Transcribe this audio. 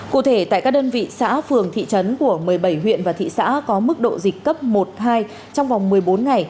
cụ thể tại các đơn vị xã phường thị trấn của một mươi bảy huyện và thị xã có mức độ dịch cấp một hai trong vòng một mươi bốn ngày